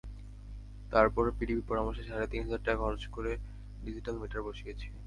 তারপরও পিডিবির পরামর্শে সাড়ে তিন হাজার টাকা খরচ করে ডিজিটাল মিটার বসিয়েছি।